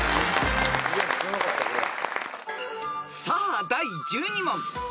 ［さあ第１２問］